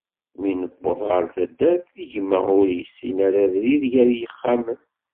Mi newweḍ ɣer taddert, gma ur yessin ara abrid gar yixxamen.